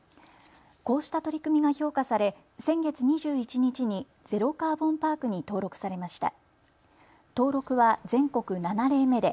こうした取り組みが評価され先月２１日にゼロカーボンパークに登録されました。